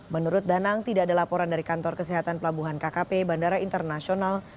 menurut danang tidak ada laporan dari kantor kesehatan pelabuhan kkp bandara internasional